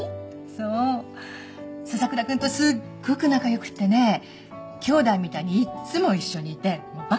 そう笹倉君とすっごく仲良くってね兄弟みたいにいっつも一緒にいてもうバカなことばっかり。